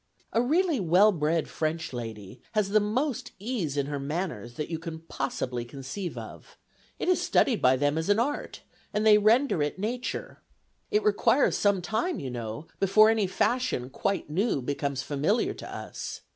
A really well bred French lady has the most ease in her manners, that you can possibly conceive of. It is studied by them as an art, and they render it nature. It requires some time, you know, before any fashion quite new becomes familiar to us.